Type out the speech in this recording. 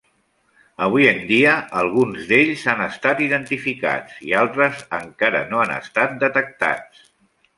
Avui en dia, alguns d'ells han estat identificats i altres encara no han estat detectats.